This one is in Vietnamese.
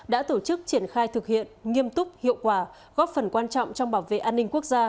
đã tổ chức triển khai thực hiện nghiêm túc hiệu quả góp phần quan trọng trong bảo vệ an ninh quốc gia